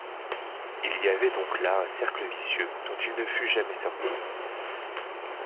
Il y avait donc là un cercle vicieux, dont il ne fût jamais sorti